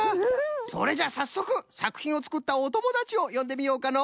それじゃあさっそくさくひんをつくったおともだちをよんでみようかの！